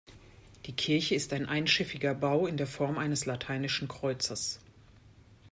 Die Kirche ist ein einschiffiger Bau in der Form eines lateinischen Kreuzes.